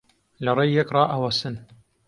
لە ڕێی یەک ڕائەوەسن